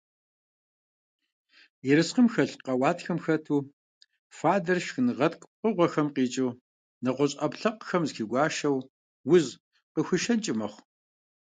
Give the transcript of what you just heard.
Ерыскъым хэлъ къэуатхэм хэту фадэр шхынгъэткӀу пкъыгъухэм къикӀыу, нэгъуэщӀ Ӏэпкълъэпкъхэм зыхигуашэу, уз къахуишэнкӀи хъунущ.